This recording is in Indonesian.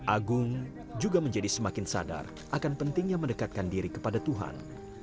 agung juga menjadi semakin sadar akan pentingnya mendekatkan diri kepada tuhan